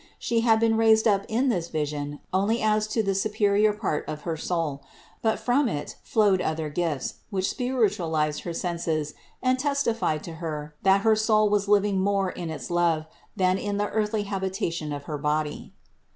She had been raised up in this vision only as to the superior part of her soul; but from it flowed other gifts, which spirit ualized her senses and testified to Her that her soul was living more in its love than in the earthly habitation of her body.